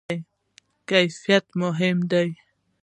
کیفیت مهم ده؟